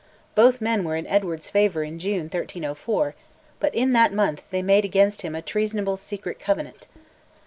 Both men were in Edward's favour in June 1304, but in that month they made against him a treasonable secret covenant.